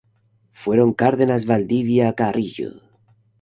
Fueron Cardenas Valdivia, Carrillo.